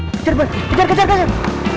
kejar balik kejar kejar kejar